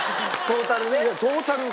トータル。